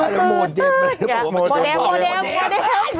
มันเปลี่ยนโมเต็มโมเต็ม